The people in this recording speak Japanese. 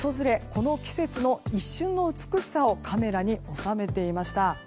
この季節の一瞬の美しさをカメラに収めていました。